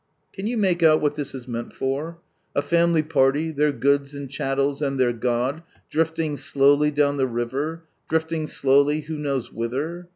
Can you make out what this is meant for? A family party, their goods and chattels, an^i their god, drifting slowly down the river, drifting slowly, who knows whither?